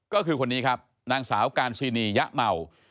ก็คือคนนี้ครับนางสาวการซีนียะเมา